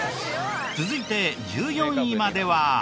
続いて１４位までは。